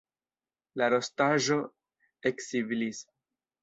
La rostaĵo eksiblis.